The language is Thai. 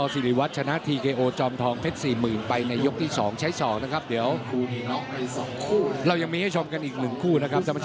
สดขึ้นมาเลยตอนนี้ดู